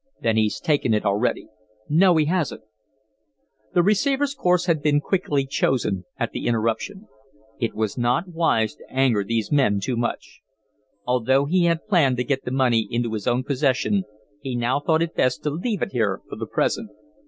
"Then he's taken it already." "No, he hasn't." The receiver's course had been quickly chosen at the interruption. It was not wise to anger these men too much. Although he had planned to get the money into his own possession, he now thought it best to leave it here for the present.